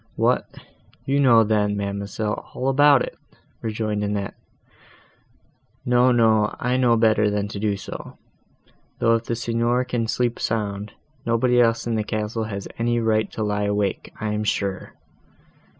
"What, you know then, ma'amselle, all about it!" rejoined Annette. "No, no, I do know better than to do so; though, if the Signor can sleep sound, nobody else in the castle has any right to lie awake, I am sure."